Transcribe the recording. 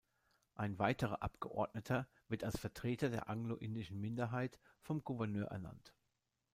Ein weiterer Abgeordneter wird als Vertreter der anglo-indischen Minderheit vom Gouverneur ernannt.